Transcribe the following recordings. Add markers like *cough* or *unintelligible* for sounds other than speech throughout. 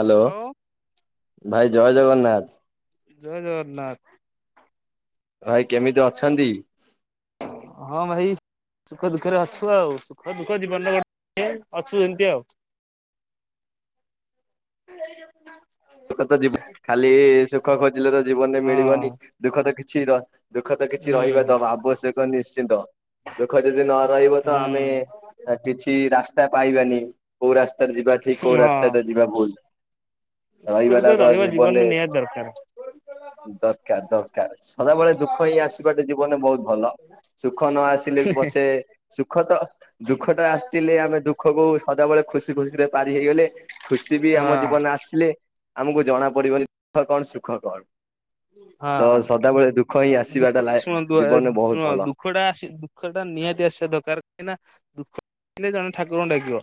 Hello ଭାଇ ଜୟ ଜଗନ୍ନାଥ। ଜୟ ଜଗନ୍ନାଥ। ଭାଇ କେମିତି ଅଛନ୍ତି? ହଁ ଭାଇ ସୁଖ ଦୁଃଖରେ ଅଛୁ ଆଉ ସୁଖ ଦୁଃଖ ଜୀବନଟା *unintelligible* ଅଛୁ ଏମିତି ଆଉ। *unintelligible* ଦୁଃଖ ତ ଜୀବନ ଖାଲି-ଇ-ଇ-ଇ ସୁଖ ଖୋଜିଲେ ତ ଜୀବନରେ ମିଳିବନି ଦୁଃଖ ତ କିଛି ରହ ଦୁଃଖ ତ ହଁ କିଛି ହୁଁ ରହିବା ଦବା ଆବଶ୍ୟକ ନିଶ୍ଚିନ୍ତ ଦୁଃଖ ଯଦି ନ ରହିବ ତ ହୁଁ ଆମେ-ଏ-ଏ ଆ କିଛି ରାସ୍ତା ପାଇବାନି କୋଉ ରାସ୍ତାରେ ଯିବା ଠିକ୍ କୋଉ ହଁ ରାସ୍ତାରେ ଯିବା ଭୁଲ। ସୁଖ ଦୁଃଖ ରହିିବାଟା ତ ରହିବା ଜୀବନରେ ନିହାତି ଦରକାର ଦରକାର ଦରକାର ସଦାବେଳେ ଦୁଃଖ ହିଁ ଆସିବାଟା ଜୀବନରେ ବହୁତ ଭଲ। ସୁଖ ନ ଆସିଲେ ବି ପଛେ ସୁଖ ତ ଦୁଃଖ ଟା ଆସିଥିଲେ ଆମେ ଦୁ ଖକୁ ସଦାବେଳେ ଖୁସି ଖୁସିରେ ପାରି ହେଇଗଲେ ଖୁସି ବି ହଁ ଆମ ଜୀବନରେ ଆସିଲେ ଆମକୁ ଜଣା ପଡିବନି ଦୁଃଖ କଣ ସୁଖ କଣ। ତ ହଁ ସଦାବେଳେ ଦୁଃଖ ହିଁ ଆସିବାଟା ଲାଇ ଜୀବନରେ ବହୁତ ଭଲ। ଦୁଃଖଟା ଆସି ଦୁଃଖ ଟା ନିହାତି ଆସିବା ଦରକାର କାହିଁକିନା ଦୁଃଖ ଆସିଲେ ଜଣେ ଠାକୁରଙ୍କୁ ଡାକିବ।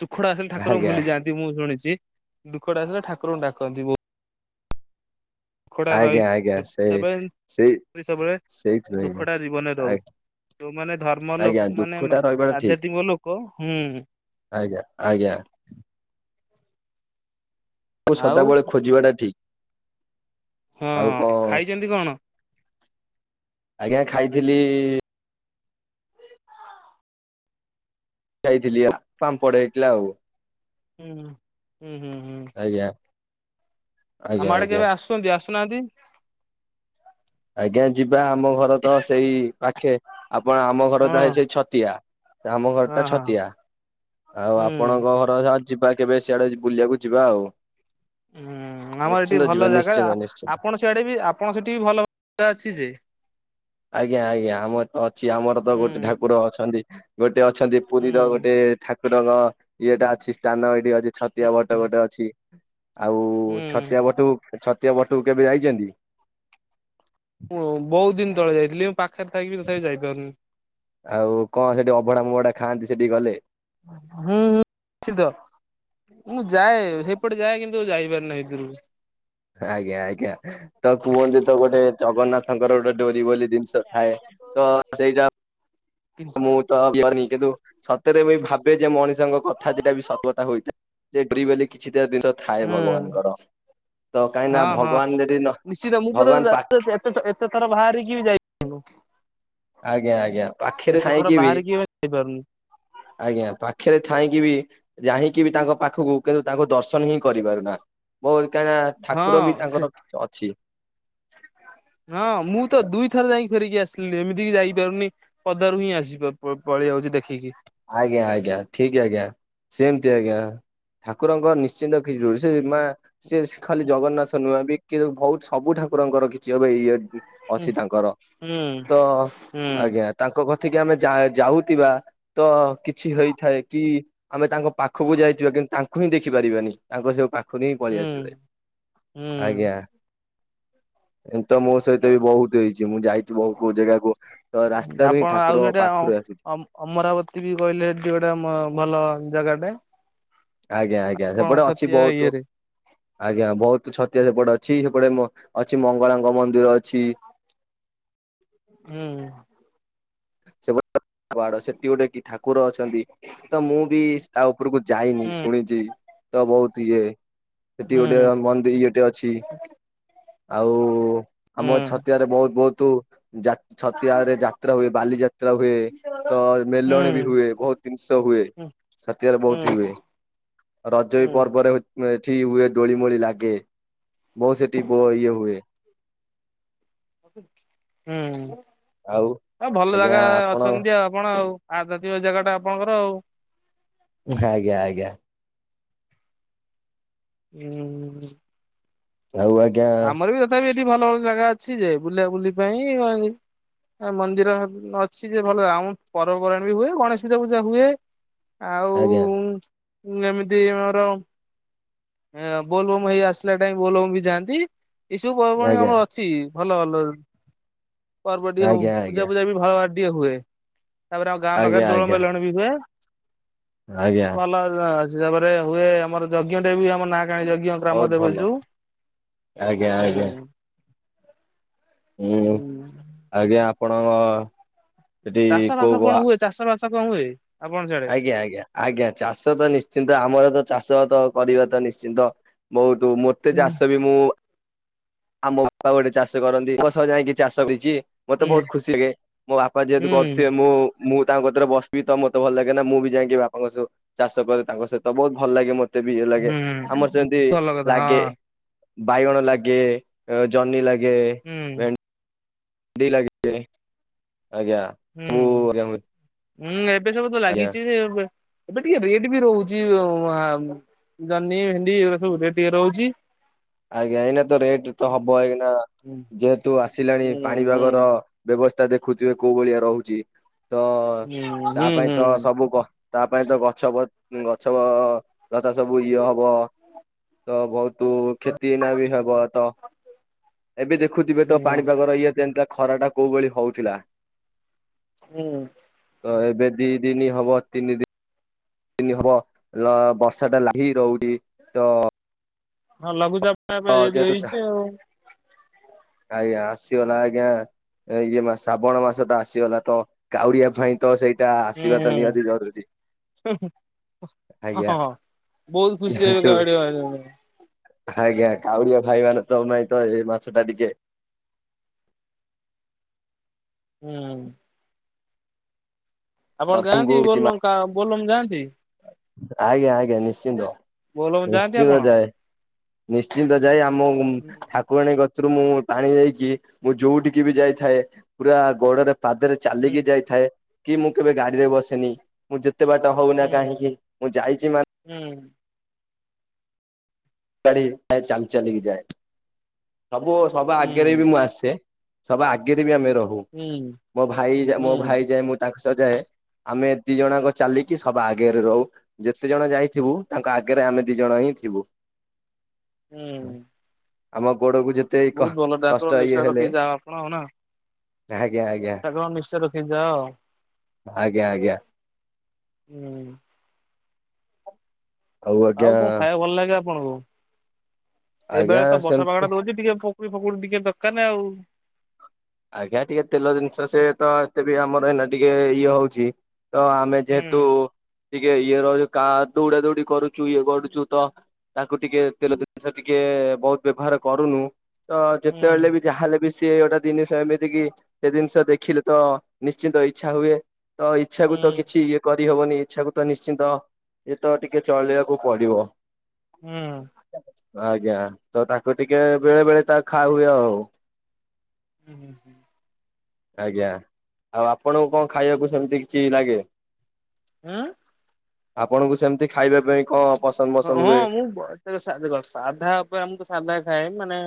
ସୁଖଟା ଆସିଲେ ଠାକୁରଙ୍କୁ ଆଜ୍ଞା। ଭୁଲି ଯାଆନ୍ତି ମୁଁ ଶୁଣିଛି ଦୁଃଖଟା ଆସିଲେ ଠାକୁରଙ୍କୁ ଡାକନ୍ତି ବହୁ ଦୁଃଖଟା ରହି ଆଜ୍ଞା ଆଜ୍ଞା ସେଇ *unintelligible* ସେଇ ସବୁବେଳେ ସେଇଥିପାଇଁ ଦୁଃଖଟା ଜୀବନରେ ରହୁ। ଯୋଉମାନେ ଧର୍ମ ଆଜ୍ଞା ଲୋକ ଦୁଃଖ ମାନେ ଟା ମ ରହିବାଟା ଠିକ ଆଧ୍ୟାତ୍ମିକ ଲୋକ ହୁଁ ଆଜ୍ଞା ଆଜ୍ଞା। ଖ ଆଉ ସଦାବେଳେ ଖୋଜିବା ଟା ଠିକ। ହଁ ଆଉ କଣ? ଖାଇଛନ୍ତି କଣ? ଆଜ୍ଞା ଖାଇଥିଲି-ଇ-ଇ-ଇ ଖାଇଥିଲି ଆ ପାମ୍ପଡ଼ ହେଇଥିଲା ଆଉ। ହୁଁ ହୁଁ ହୁଁ ହୁଁ। ଆଜ୍ଞା। ଆଜ୍ଞା ଆମ ଆଡ଼େ ଆଜ୍ଞା କେବେ ଆସୁଛନ୍ତି, ଆସୁ ନାହାଁନ୍ତି? ଆଜ୍ଞା ଯିବା ଆମ ଘର ତ ସେଇ ପାଖେ ଆପଣ ଆମ ଘର ହଁ ଟା ସେଇ ଛତିଆ। ତ ଆମ ଘର ହଁ ଟା ହଁ। ଛତିଆ। ଆଉ ହୁଁ ଆପଣଙ୍କ ଘର ଯା ଯିବା କେବେ ସିଆଡ଼େ ବୁଲିବାକୁ ଯିବା ଆଉ। ହୁଁ ଆମର ଏଠି ନିଶ୍ଚିନ୍ତ ଯିବା ଭଲ ଜାଗା। ଆ ନିଶ୍ଚିନ୍ତ ନିଶ୍ଚିନ୍ତ ଆପଣ ସେଇଆଡ଼େ ବି ଆପଣ ସେଠି ବି ଭଲ *unintelligible* ଜାଗା ଅଛି ଯେ। ଆଜ୍ଞା ଆଜ୍ଞା ଆମର ତ ଅଛି ଆମର ତ ଗୋଟେ ହୁଁ ଠାକୁର ଅଛନ୍ତି ଗୋଟେ ଅଛନ୍ତି ପୁରୀର ହୁଁ ଗୋଟେ ଠାକୁରଙ୍କ ଇଏଟା ଅଛି ସ୍ଥାନ ଏଇଠି ଅ ଯେ ଛତିଆ ବଟ ଗୋଟେ ଅଛି। ଆଉ-ଉ-ଉ-ଉ ଛତିଆ ହୁଁ ବଟକୁ ଛତିଆ ବଟ କୁ କେବେ ଯାଇଛନ୍ତି? ହଁ ବହୁତ ଦିନ ତଳେ ଯାଇଥିଲି। ଏବେ ପାଖରେ ଥାଇକି ବି ତଥାପି ଯାଇ ପାରୁନି। ଆଉ କଣ ସେଠି ଅଭଡ଼ା ମଭଡ଼ା ଖାଆନ୍ତି ସେଠିକି ଗଲେ? ହୁଁ ହୁ ନିଶ୍ଚିତ। ମୁଁ ଯାଏ ସେଇପଟେ ଯାଏ କିନ୍ତୁ ଯାଇ ପାରେନି ଭିତରକୁ। ଆଜ୍ଞା ଆଜ୍ଞା ତ କୁହନ୍ତି ତ ଗୋଟେ ଜଗନ୍ନାଥଙ୍କର ଗୋଟେ ଡୋରି ବୋଲି ଜିନିଷ ଥାଏ ତ ସେଇଟା ହୁଁ ମୁଁ ତ କରିନି କିନ୍ତୁ ସତରେ ବି ଭାବେ ଯେ ମଣିଷଙ୍କ କଥା ଦିଟା ବି ସତ କଥା ହୋଇଥଏ। ଯେ ଡୋରି ବୋଲି କିଛି ତ ଜିନିଷ ଥାଏ ଭଗବାନଙ୍କର। ତ କାହିଁକି ହଁ ନା ହଁ ଭଗବାନ ଯଦି ନ ନିଶ୍ଚିତ ମୁଁ ପରା ଭଗବାନ ପାଖରେ ଏତେ ଏତେ ଥର ବାହାରିକି ବି ଯାଇପାରୁନି। ଆଜ୍ଞା ଆଜ୍ଞା ପାଖରେ ଏତେ ଥର ଥାଇକି ବି ବାହାରିକି ଯାଇପାରୁନି। ଆଜ୍ଞା ପାଖରେ ଥାଇକି ବି ଯହିକି ବି ତାଙ୍କ ପାଖକୁ କିନ୍ତୁ ତାଙ୍କୁ ଦର୍ଶନ ହିଁ କରିପାରୁନା। ବହୁତ କାହିଁକି ନା ଠାକୁର ବି ହଁ ସେ ତାଙ୍କର ଅଛି। ହଁ ମୁଁ ତ ଦୁଇଥର ଯାଇକି ଫେରିକି ଆସିଲି ଏମିତିକି ଯାଇପାରୁନି ପଦାରୁ ହିଁ ଆସି *unintelligible* ପଳେଇ ଆଉଚି ଦେଖିକି। ଆଜ୍ଞା ଆଜ୍ଞା ଠିକ ଆଜ୍ଞା ସେମତି ଆଜ୍ଞା ଠାକୁରଙ୍କ ନି *unintelligible* ସେ ମା ସେ ଖାଲି ଜଗନ୍ନାଥ ନୁହଁ ବି କିନ୍ତୁ ବହୁତ ସବୁ ଠାକୁରଙ୍କର କିଛି ହବ ଇଏ ହୁଁ ଅଛି ତାଙ୍କର ହୁଁ ତ ହୁଁ। ଆଜ୍ଞା। ତାଙ୍କ କତିକି ଆମେ ଯା ଯାଉଥିବା ତ କିଛି ହେଇଥାଏ କି ଆମେ ତାଙ୍କ ପାଖକୁ ଯାଇଥିବା କିନ୍ତୁ ତାଙ୍କୁ ହିଁ ଦେଖିପାରିବାନି ତାଙ୍କ ସେଉ ପା ଖୁରୁ ହିଁ ପଳେଇ ଆସିବେ ହୁଁ ଆଜ୍ଞା। ଏମିତି ତ ମୋ ସହିତ ବି ବହୁତ ହେଇଛି ମୁଁ ଯାଇଛି ବହୁତ ବହୁତ ଜାଗାକୁ ତ ରାସ୍ତାରୁ ହିଁ ଆପଣ ଆଉ ଠାକୁର ସେଇଟା ପାଖରୁ ଆସିଚି। ଅମରାବତୀ ବି କହିଲେ ଏଠି ଗୋଟେ ମ ଭଲ ଜାଗାଟେ। ଆଜ୍ଞା ଆଜ୍ଞା ଆପଣ ସେପଟେ ଅଛି ଛତିଆ ବହୁତୁ ଇଏରେ ଆଜ୍ଞା ବହୁତ ଛତିଆ ସେପଟେ ଅଛି ସେପଟେ ମ ଅଛି ମଙ୍ଗଳାଙ୍କ ମନ୍ଦିର ଅଛି। ହୁଁ। ପାହାଡ଼ ସେଠି ଗୋଟେ କି ଠାକୁର ଅଛନ୍ତି ତ ମୁଁ ବି ତା ଉଉପୁକୁ ଯାଇନି ହୁଁ ଶୁଣିଚି ତ ବହୁତ ଇଏ ସେଠି ଗୋଟେ ହୁଁ ମନ୍ଦିର୍ ଟେ ଅଛି। ଆଉ ହୁଁ ଆମ ଛତିଆ ରେ ବହୁତ୍ ବହୁତୁ ଯା ଛତିଆଡେ ଯାତ୍ରା ହୁଏ। ବାଲିଯାତ୍ରା ହୁଏ ତ ହୁଁ ମେଲଣ ବି ହୁଏ ବହୁତ ଦିନିଷ ହୁଏ। ହୁଁ ଛାତିଆରେ ବହୁତି ହୁଏ। ହୁଁ ରଜ ବି ହୁଁ ପର୍ବରେ ଏଠି ହୁଏ ଦୋଳି ମୋଳି ଲାଗେ ବହୁତ ସେଠି ବୋ ଇଏ ହୁଏ। ହୁଁ ହୁଁ ଆଉ ଭଲ ଆଜ୍ଞା ଜାଗା ଆପଣ ଅଛନ୍ତି ଆଉ ଆପଣ ଆଉ। *unintelligible* ଜାଗାଟା ଆପଣଙ୍କର ଆଉ। *unintelligible* ହୁଁ। ଆଉ ଆଗ୍ ଆମର ବି ତଥାପି ଏଠି ଭଲ, ଭଲ ଜାଗା ଅଛି ଯେ ବୁଲା ବୁଲି ପାଇଁ। *unintelligible* ମନ୍ଦିର ଅଛି ଯେ ଭଲ, ଆମ ପର୍ବପର୍ବାଣି ବି ହୁଏ, ଗଣେଶ ପୂଜା ଫୁଜା ହୁଏ। ଆଉ ଆଜ୍ଞା। ଉଁ, ଏମିତି ଆମର ଆ, ବୋଲବମ୍ ହେଇ ଆସିଲା ଟାଇମ୍ ବୋଲବମ୍ ବି ଯାଆନ୍ତି, ଏଇସବୁ *unintelligible* ଆଜ୍ଞା ଆମର ଅଛି। ଭଲ ଭଲର୍ ପର୍ବ ଟିକେ ହୋଉ ଆଜ୍ଞା ଆଜ୍ଞା ପୂଜା ପୂଜା ବି ଭଲ ଭାବରେ ଟିକେ ହୁଏ। ତାପରେ ଆଉ ଗାଁ ପାଖେରେ ଆଜ୍ଞା ଦୋଳୋ ଆଜ୍ଞା ମେଲଣ ବି ହୁଏ। ଆଜ୍ଞା ଭଲ ଅଛି, ତାପରେ ହୁଏ ଆମର ଯଜ୍ଞଟାବି *unintelligible* ଯଜ୍ଞ ଗ୍ରାମମ ବହୁତ ଭଲ ଦେବତୀ ଯେଉ, ଆଜ୍ଞା ଆଜ୍ଞା ଉଁ। ହୁଁ, ଆଜ୍ଞା ଆପଣଙ୍କ ସେଠି ଚାଷ କୋଉ ଭାସ କୋଉ ଆ କଣ ହୁଏ, ଚାଷ ବାସ କଣ ହୁଏ? ଆପଣ ସିଆଡେ? ଆଜ୍ଞା, ଆଜ୍ଞା। ଆଜ୍ଞା, ଚାଷ ତ ନିଶ୍ଚିନ୍ତ ଆମର ତ ଚାଷ ଆତ କରିବା ତ ନିଶ୍ଚିନ୍ତ ବହୁତୁ ମୁ ତେ ହୁଁ ଚାଷ ବି ମୁଁ ଆମୋ ବାପା ଗୋଟେ ଚାଷ କରନ୍ତି, ତାଙ୍କ ସହ ଯାଇକି ଚାଷ ବିଜିଏ ମତେ ହୁଁ ବୋହୁତ ଖୁସିଗେ ମୋ ବାପା ଯେହେତୁ କରଥୁବେ ମୁଁ-ମୁଁ ତାଙ୍କ କତରେ ବସବି ତ ମତ୍ ତେ ଭଲ୍ ଲାଗେନା ମୁଁ ବି ଯାଇଙ୍କି ବାପାଙ୍କ ସବ୍ ଚାଷ କରେ ତାଙ୍କ ସହିତ ବୋହୁତ ଭଲ୍ ଲାଗେ ମୋତ୍ ତେବି ଇଏ ଲାଗେ, ହୁଁ ଆମର୍ ସେମ୍ତି ଭଲ କଥା ଲାଗେ। ହଁ ବାଇଗଣ ଲାଗେ, ଜହ୍ନି ଲାଗେ। ହୁଁ। ଡି ଲାଗେ। ଆଜ୍ଞା। ସବୁ ହୁଁ ହୁଁ ଏବେ ସବୁ ତ ଆଜ୍ଞା ଲାଗିଚି ଯେ ଏବେ ଏବେ ଟିକେ ରେଟ୍ ବି ରହୁଚି ଅ ଆଁ ଆମ୍ ଜହ୍ନୀ ଭେଣ୍ଡି ଏଇ ଗୁରା ସବୁ ରେଟ୍ ଟିକେ ରହୁଚି। ଆଜ୍ଞା ଏଇନା ତ ରେଟ୍ ତ ହବ ଏଇନା ହୁଁ ଯେହେତୁ ଆସିଲାଣି ହୁଁ ପାଣି ହୁଁ ପାଗର ବେବସ୍ଥା ଦେଖୁଥିବେ କୋଉ ଭଳିଆ ରହୁଚି ତ ତା ହୁଁ ପାଇଁ ହୁଁ ତ ସବୁ କ ତା ପାଇଁ ତ ଗଛ ବ ଗଛବ ଗଛଲତା ସବୁ ଇଏ ହବ। ତ ଭଉତୁ କ୍ଷତି ଏଇନା ବି ହେବ ତ ଏବେ ଦେଖୁଥିବେ ତ ହୁଁ ପାଣିପାଗର ଇଏ ଯେନ୍ତା ଖରା ଟା କୋଉ ଭଳି ହଉଥିଲା? ହୁଁ। ତ ଏବେ ଦି ଦିନି ହବ ତିନି ଦି ନି ହବ ଲ ବର୍ଷାଟା ଲାଗିକି ରହୁକି ତ ହଁ, ଲଘୁଚାପ୍ ଟା ଏବେ ବେ ହେଇଚି ଆଉ। ଆୟାଁ ଆସିଗଲା ଆଜ୍ଞା ଏ ଇଏ ମାସ ଶ୍ରାବଣ ମାସ ତ ଆସିଗଲା ତ କାଉଡ଼ିଆ ଭାଇ ତ ସେଇଟା ଆସିବା ତ ନିହାତି ଜରୁରୀ। ହୁଁ ହୁଁ, ଆଜ୍ଞା ହଁ ବୋହୁତ ଖୁସି ଯେହେତୁ *unintelligible* ଆଜ୍ଞା କାଉଡ଼ିଆ ଭାଇ ମାନେ ତ ନାଇଁ ତ ଏ ମାସଟା ଟିକେ ହୁଁ। ଆପଣ ଦରଙ୍କୁ ଯାଆନ୍ତି କିଛି ମା ବୋଲବମ୍ କା ବୋଲବମ୍ ଯାଆନ୍ତି? ଆଜ୍ଞା ଆଜ୍ଞା ନିଶ୍ଚିନ୍ତ। ବୋଲବମ୍ ଯାଆନ୍ତି ନିଶ୍ଚିନ୍ତ ଆପଣ? ଯାଏ ନିଶ୍ଚିନ୍ତ ଯାଏ ଆମୋଉଁ ହୁଁ ଠା କୁଆଣୀ କତ୍ରୁ ମୁଁ ପାଣି ନେଇକି ମୁଁ ଯୋଉଠିକି ବି ଯାଇଥାଏ ପୁରା ଗୋଡ଼ରେ ପାଦରେ ହୁଁ ଚାଲିକି ଯାଇଥାଏ କି ମୁଁ କେବେ ଗାଡ଼ି ରେ ବସେନି ମୁଁ ଯେତେ ବାଟ ହୋଉନା ହୁଁ କାହିଁକି ମୁଁ ଯାଇଚି ମାନ୍ ହୁଁ। ଗାଡ଼ି ନାଇଁ ଚାଲି ଚାଲିକି ଯାଏ ସବୁ ସବା ଆଗରେ ବି ମୁଁ ଆସେ। ସବା ଆଗେରେ ବି ଆମେ ରହୁ ହୁଁ ମୋ ଭାଇ ଯା ହୁଁ ମୋ ଭାଇ ଯାଏ ମୁଁ ତାଙ୍କ ସହ ଯାଏ। ଆମେ ଦି ଜଣ ଆଙ୍କ ଚାଲିକି ସବା ଆଗରେ ରହୁ। ଯେତେ ଜଣ ଯାଇଥିବୁ ତାଙ୍କ ଆଗରେ ଆମେ ଦି ଜଣ ହିଁ ଥିବୁ। ଆମ ଗୋଡ଼କୁ ଯେ ବୋହୁତ ଭଲ ଡ଼ାକର ନିଶା ରଖି ଯାଅ ଆପଣ ନା। ଆଜ୍ଞା ଆଜ୍ଞା। ତାଙ୍କର ନିଶ ରଖି ଯାଅ। ଆଜ୍ଞା ଆଜ୍ଞା। ହୁଁ। ଆଉ କଣ ଖାଇବାକୁ ଭଲ ଲାଗେ ଆପଣଙ୍କୁ ଏବେ ଆଜ୍ଞା ତ ବର୍ଷା ସେମିତି ପାଗଟା ଦଉଛି ଟିକେ ଫୋ ପକୁଡ଼ି ଫକୁଡ଼ି ଟିକେ ଦକାର ନା ଆଉ। ଆଜ୍ଞା ଟିକେ ତେଲ ଜିନିଷ ସେ ତ ଏତେ ବି ଆମର ଏଇନା ଟିକେ ଇଏ ହଉଛି ତ ଆ ଆମେ ହୁଁ ଯେହେତୁ ଟିକେ ଇଏ ର କା ଦୌଡ଼ା ଦୌଡ଼ି କରୁଚୁ ଇଏ କରୁଚୁ ତ ତାକୁ ଟିକେ ତେଲ ଜିନିଷ ଟିକେ ବହୁତ ବ୍ୟବହାର କରୁନୁ। ତ ହୁଁ ଯେତେବେଲେ ବି ଯାହା ହେଲେ ବି ସିଏ ଗୋଟେ ଦିନିଷ ଏମିତିକି ସେ ଜିନିଷ ଦେଖିଲେ ତ ନିଶ୍ଚିନ୍ତ ଇଚ୍ଛା ହୁଏ। ତ ଇଚ୍ଛା କୁ ତ ହୁଁ କିଛି ୟେ କରିହବନି ଇଚ୍ଛା କୁ ତ ନିଶ୍ଚିନ୍ତ ଏ ତ ଟିକେ ଚଲେଇବାକୁ ପଡ଼ିବ। ହୁଁ। ଆଜ୍ଞା ତ ତାକୁ ଟିକେ ବେଳେ ବେଳେ ତା ଖାଉ ହୁଏ ଆଉ। ହୁଁ ହୁଁ। ଆଜ୍ଞା ଆଉ ଆପଣଙ୍କୁ କଁ ଖାଇବାକୁ ସେମିତି କିଛି ଲାଗେ? ଆଁ ଆପଣଙ୍କୁ ସେମିତି ଖାଇବା ପାଇଁ କଁ ହଁ ମୁଁ *unintelligible* ସା ଦେଖ ସାଧା ଉପରେ ଆମକୁ ସାଧା ଖାଏ ମାନେ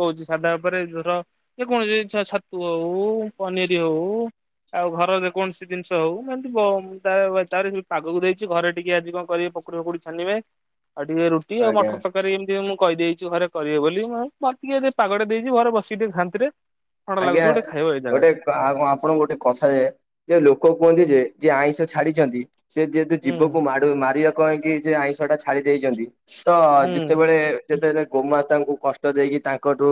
କହୁଛି ସାଧା ଉପରେ ଧର ଯେ କୌଣସି ଜିନିଷ ଛତୁ ହଉ-ଉ-ଉ-ଉ ପନିର ହଉ-ଉ-ଉ-ଉ। ଆଉ ଘର ଯେକୌଣସି ଜିନିଷ ହଉ ଏମତି ବ ତାର ବ ତାର ଯୋଉ ପାଗକୁ ଦେଇଛି ଘରେ ଟିକେ ଆଜି କଣ କରିବେ ପକୁଡ଼ି ଫକୁଡ଼ି ଛାନିବେ ଆଉ ଟିକେ ରୁଟି ଆଉ ଆଜ୍ଞା ମଟର ତର କାରି ଏମିତି ମୁଁ କହିଦେଇଛି ଘରେ କରିବେ ବୋଲି ମୁଁ *unintelligible* ଟିକେ ପାଗଟା ଦେଇଛି ଘରେ ବସିବି ଟିକେ ଶାନ୍ତିରେ। ଥଣ୍ଡା ଆଜ୍ଞା ଲାଗୁଥିବ ଗୋଟେ ଖାଇବ ଏଇ ଜାଗାରେ ଗୋଟେ ତ ଆ ଆପଣଙ୍କୁ ଗୋଟେ କଥା ଯେ ଯେ ଲୋକ କୁହନ୍ତି ଯେ ଯିଏ ଆଇଁଷ ଛାଡିଛନ୍ତି ସେ ଯେହେତୁ ହୁଁ ଜୀବକୁ ମାଡ ମାରିବାକୁ ପାଇ କି ଯେ ଆଇଁଷଟା ଛାଡି ଦେଇଛନ୍ତି ତ-ଅ-ଅ-ଅ ହୁଁ ଯେତେବେଳେ ଯେତେବେଳେ ଗୋମାତାଙ୍କୁ କଷ୍ଟ ଦେଇକି ତାଙ୍କଠୁ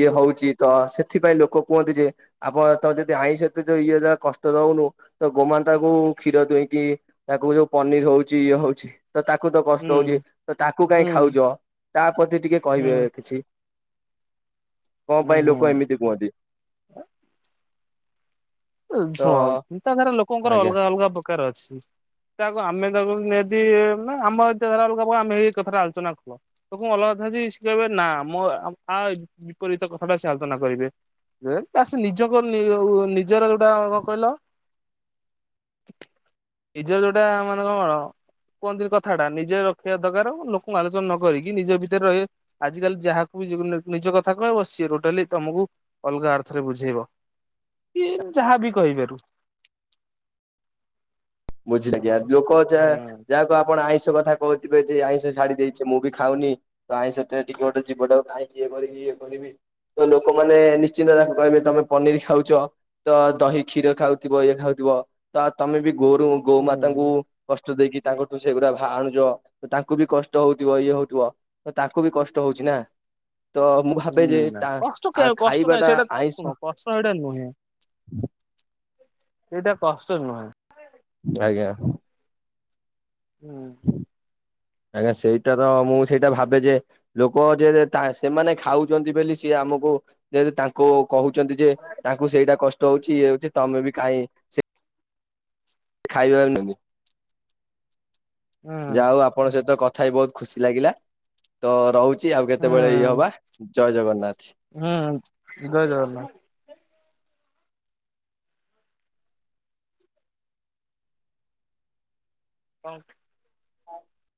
ଇଏ ହଉଛି ତ ସେ ଥିପାଇଁ ଲୋକ କୁହନ୍ତି ଯେ ଆପଣ ତ ଯଦି ଆଇଷ ତ ଯ ଇଏ ଯାହା କଷ୍ଟ ଦଉନୁ ତ ଗୋମାତାକୁ କ୍ଷୀର ଦୁଇଁକି ତାକୁ ଯୋଉ ପନିର ହଉଛି ଇଏ ହଉଛି ତ ତାକୁ ତ କଷ୍ଟ ହଉଛି, ହୁଁ ତ ତାକୁ କାହିଁ ହୁଁ ଖାଉଛ, ତା ପ୍ରତି ଟିକେ ହୁଁ କହିବେ କିଛି। କଣ ହୁଁ ପାଇଁ ଲୋକ ଏମିତି କୁହନ୍ତି। ୟ ତ ଶୁଣ ଚିନ୍ତାଧାରା ଲୋକଙ୍କର ଆଜ୍ଞା। ଅଲଗା ଅଲଗା ପ୍ରକାର ଅଛି। ତାକୁ ଆମେ ତାକୁ ନିହାତି-ଇ-ଇ-ଇ ନା ଆମ ଚିନ୍ତାଧାରା ଅଲଗା ପ୍ରକାର ଆମେ ଏଇ କଥାଟା ଆଲୋଚନା କଲ। ଲୋକଙ୍କୁ ଅଲଗା କଥା ଯେ *unintelligible* ନା ମୋ ଆ ବିପରୀତ କଥାଟା ସେ ଆଲୋଚନା କରିବେ। ହେ ତା ସେ ନିଜ କରୁନି ଯୋଉ ନିଜର ଯୋଉଟା କଣ କହିଲ ନିଜର ଯୋଉଟା ମାନେ କଣ କୁହନ୍ତି କଥାଟା। ନିଜେ ରଖିବା ଦରକାର ଲୋକଙ୍କୁ ଆଲୋଚନା ନ କରିକି ନିଜ ଭିତରେ ରହିବେ। ଆଜିକାଲି ଯାହାକୁ ବି *unintelligible* ନିଜ କଥା କହିବ ସିଏ ଟୋଟାଲି ତମକୁ ଅଲଗା ଅର୍ଥରେ ବୁଝେଇବ। କି-ଇ-ନ୍ ଯାହାବି କହିବାରୁ ବୁଝିଲେ କି ଆ ଲୋକ ଯାହା ହୁଁ ଯା ତ ଆପଣ ଆଇଁଷ କଥା କହୁଥିବେ ଯେ ଆଇଁଷ ଛାଡି ଦେଇଛି ମୁଁ ବି ଖାଉନି। ତ ଆଇଁଷ ଟା ଟିକେ ଗୋଟେ ଯିବଟାକୁ କାହିଁ ଏ କରିବି ଇଏ କରିବି ତ ଲୋକମାନେ ନିଶ୍ଚିନ୍ତ ତାକୁ କହିବେ ତମେ ପନିର ଖାଉଛ। ତ ଦହି କ୍ଷୀର ଖାଉଥିବ ଇଏ ଖାଉଥିବ ତ ତମେ ବି ଗୋରୁ ହୁଁ ଗୋମାତାଙ୍କୁ କଷ୍ଟ ଦେଇକି ତାଙ୍କଠୁ ସେଗୁରା ଭା ଆଣୁଛ ତାଙ୍କୁ ବି କଷ୍ଟ ହଉଥିବ ଇଏ ହଉଥିବ। ତ ତାଙ୍କୁ ବି କଷ୍ଟ ହଉଛିି ନା। ତ ମୁଁ ଭାବେ ଯେ ହୁଁ ତା ଆ ଖାଇବା ଟା ଆଇଁଷ ସ ଏଇଟା ନୁହେଁ ଏଇଟା କଷ୍ଟ ନୁହେଁ। ଆଜ୍ଞା। ହୁଁ। ଆଜ୍ଞା ସେଇଟା ତ ମୁଁ ସେଇଟା ଭାବେ ଯେ ଲୋକ ଯେ ଯେ ସେମାନେ ଖାଉଛନ୍ତି ବୋଲି ସିଏ ଆମକୁ ଯେହେତୁ ତାଙ୍କୁ କହୁଛନ୍ତି ଯେ ତାଙ୍କୁ ସେଇଟା କଷ୍ଟ ହଉଛି ଇଏ ହଉଛି ତମେ ବି କାହିଁ ଖାଇବାନନି ହୁଁ ଯାହା ହଉ ଆ ପଣ ସହିତ କଥା ହେଇ ବହୁତୁ ଖୁସି ଲାଗିଲା। ତ ରହୁଛି ଆଉ କେତେବେଳେ ଇଏ ହବା ଜୟ ଜଗନ୍ନାଥ। ହୁଁ ଜୟଜଗନ୍ନାଥ। *unintelligible* ହଁ